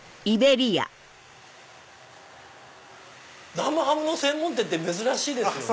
生ハムの専門店って珍しいですよね。